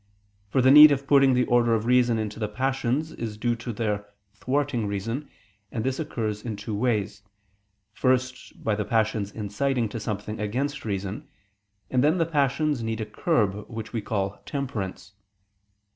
For the need of putting the order of reason into the passions is due to their thwarting reason: and this occurs in two ways. First, by the passions inciting to something against reason, and then the passions need a curb, which we call "Temperance."